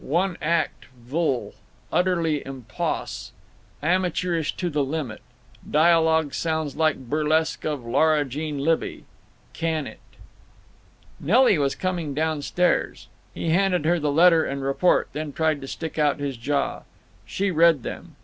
One act vlle. Utterly impos. Amateurish to the limit. Dialogue sounds like burlesque of Laura Jean Libbey. Can it. Nelly was coming down stairs. He handed her the letter and report, then tried to stick out his jaw. She read them.